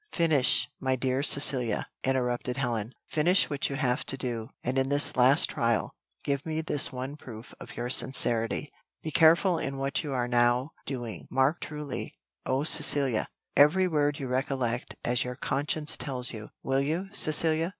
"Finish! my dear Cecilia," interrupted Helen; "finish what you have to do, and in this last trial, give me this one proof of your sincerity. Be careful in what you are now doing, mark truly oh, Cecilia! every word you recollect as your conscience tells you. Will you, Cecilia?